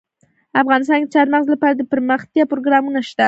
افغانستان کې د چار مغز لپاره دپرمختیا پروګرامونه شته.